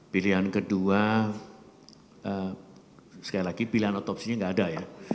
pilihan kedua sekali lagi pilihan otopsinya nggak ada ya